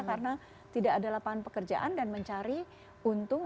karena tidak ada lapangan pekerjaan dan mencari untung